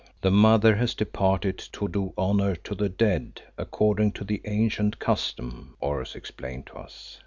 "The Mother has departed to do honour to the dead, according to the ancient custom," Oros explained to us.